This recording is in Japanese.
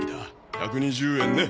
１２０円ね。